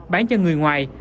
bán cho người ngoài